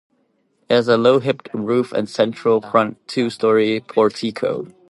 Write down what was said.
It has a low hipped roof and central front, two-story, portico.